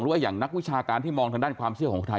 ว่าอย่างนักวิชาการที่มองทางด้านความเชื่อของคนไทย